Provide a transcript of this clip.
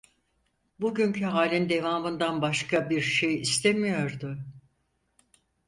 Bugünkü halin devamından başka bir şey istemiyordu.